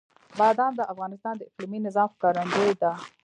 بادام د افغانستان د اقلیمي نظام ښکارندوی ده.